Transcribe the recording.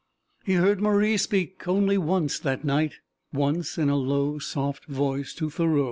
He heard Marie speak only once that night once, in a low, soft voice to Thoreau.